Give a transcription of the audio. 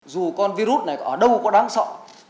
dù con virus này ở đâu có đáng sợ